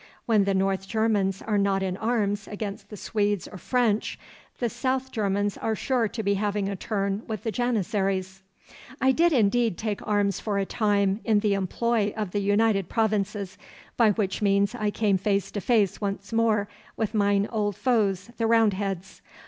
When the North Germans are not in arms against the Swedes or French, the South Germans are sure to be having a turn with the janissaries.' 'I did indeed take arms for a time in the employ of the United Provinces, by which means I came face to face once more with mine old foes, the Roundheads.